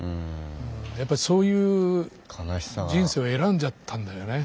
やっぱりそういう人生を選んじゃったんだよね。